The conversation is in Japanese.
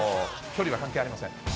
距離は関係ありません。